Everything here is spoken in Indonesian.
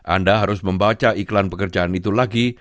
anda harus membaca iklan pekerjaan itu lagi